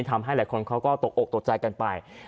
ทำให้หลายคนเขาก็ตกอกตกใจกันไป